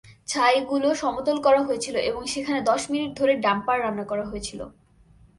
ছাইগুলো সমতল করা হয়েছিল এবং সেখানে দশ মিনিট ধরে ডাম্পার রান্না করা হয়েছিল।